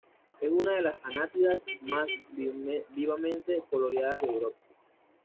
Es una de las anátidas más vivamente coloreadas de Europa.